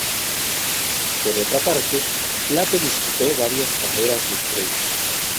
Por otra parte, Plato disputó varias carreras de estrellas.